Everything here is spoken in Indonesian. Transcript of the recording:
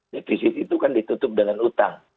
defisit itu kan ditutup dengan utang